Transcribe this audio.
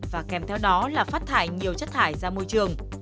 và kèm theo đó là phát thải nhiều chất thải ra môi trường